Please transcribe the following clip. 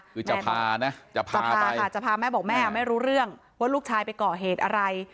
คือจะพานะจะพาค่ะจะพาแม่บอกแม่ไม่รู้เรื่องว่าลูกชายไปก่อเหตุอะไร